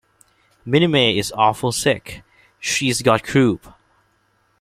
Minnie May is awful sick — she’s got croup.